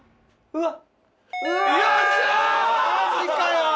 うわっ！